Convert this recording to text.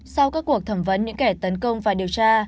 sau các cuộc thẩm vấn những kẻ tấn công và điều tra